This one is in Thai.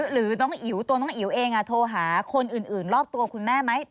หรือน้องอิ๋วตัวน้องอิ๋วเองโทรหาคนอื่นรอบตัวคุณแม่ไหม